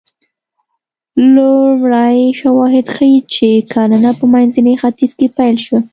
لومړي شواهد ښيي چې کرنه په منځني ختیځ کې پیل شوه